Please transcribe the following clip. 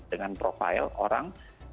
dengan profil orang